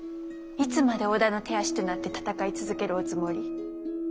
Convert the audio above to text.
いつまで織田の手足となって戦い続けるおつもり？